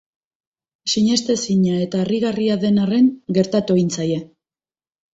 Sinestezina eta harrigarria den arren, gertatu egin zaie.